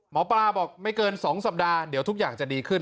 หมอปลาบอกไม่เกิน๒สัปดาห์เดี๋ยวทุกอย่างจะดีขึ้น